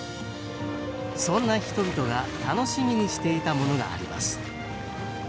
そんな人々が楽しみにしていたものがあります